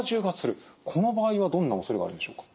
この場合はどんなおそれがあるんでしょうか？